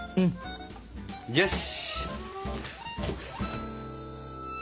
よし。